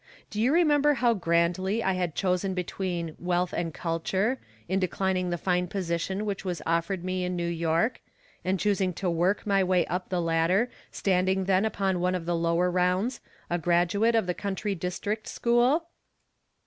Do you remember how grandly I had chosen between " wealth and culture," in declining the fine position which was offered me in New York, and choosing to work my way up the ladder, standing then upon one of the lower rounds, a graduate of the country district school